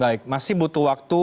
baik masih butuh waktu